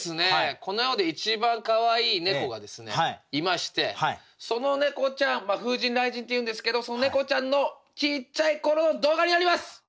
この世で一番かわいい猫がいましてその猫ちゃん風神雷神っていうんですけどその猫ちゃんのちっちゃい頃の動画になります！